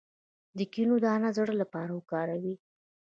د کینو دانه د زړه لپاره وکاروئ